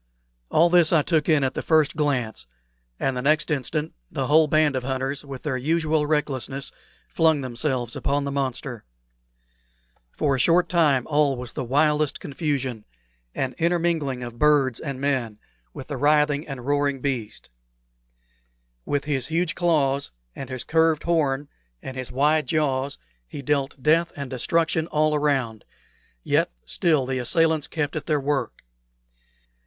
All this I took in at the first glance, and the next instant the whole band of hunters, with their usual recklessness, flung themselves upon the monster. For a short time all was the wildest confusion an intermingling of birds and men, with the writhing and roaring beast. With his huge claws and his curved horn and his wide jaws he dealt death and destruction all around; yet still the assailants kept at their work.